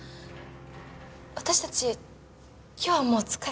私たち今日はもう疲れちゃって。